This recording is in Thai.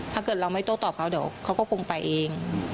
ถ้าเกิดเราไม่โต้ตอบเขาเดี๋ยวเขาก็คงไปเอง